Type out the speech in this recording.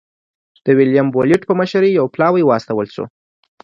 د ویلیم بولېټ په مشرۍ یو پلاوی واستول شو.